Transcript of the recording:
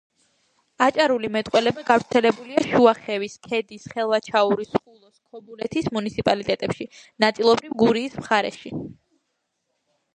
აჭარული მეტყველება გავრცელებულია შუახევის, ქედის, ხელვაჩაურის, ხულოს, ქობულეთის მუნიციპალიტეტებში, ნაწილობრივ გურიის მხარეში.